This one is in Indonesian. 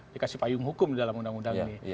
dikasih payung hukum dalam undang undang ini